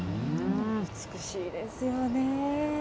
美しいですよね。